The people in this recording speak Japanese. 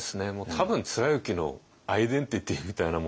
多分貫之のアイデンティティーみたいなものなので和歌って。